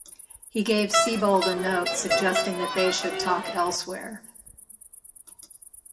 He gave Sebold a note suggesting that they should talk elsewhere.